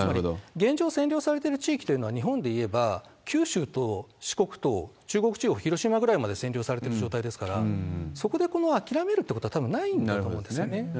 現状、占領されてる地域というのは日本でいえば九州と四国と、中国地方、広島ぐらいまで占領されてる状態ですから、そこでこれを諦めるってことはたぶんないんだと思うんですよね。